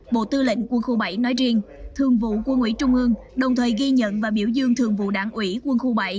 bộ tư lệnh quân khu bảy nói riêng thường vụ quân ủy trung ương đồng thời ghi nhận và biểu dương thường vụ đảng ủy quân khu bảy